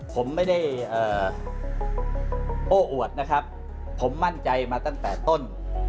ผมไม่ได้โอ้อวดนะครับผมมั่นใจมาตั้งแต่ต้น